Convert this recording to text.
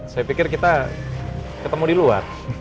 saya pikir kita ketemu di luar